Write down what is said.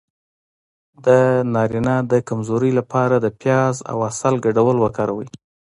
د نارینه د کمزوری لپاره د پیاز او عسل ګډول وکاروئ